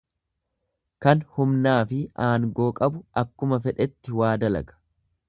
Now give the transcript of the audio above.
Kan humnaafi aangoo qabu akkuma fedhetti waa dalaga.